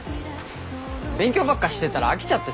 勉強ばっかしてたら飽きちゃってさ。